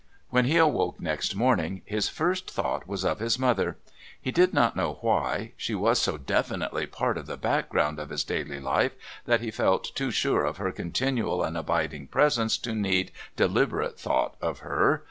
When he awoke next morning his first thought was of his mother. He did not know why; she was so definitely part of the background of his daily life that he felt too sure of her continual and abiding presence to need deliberate thought of her.